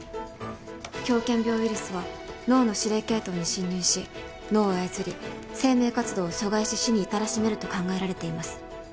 狂犬病ウイルスは脳の指令系統に侵入し脳を操り生命活動を阻害し死に至らしめると考えられています。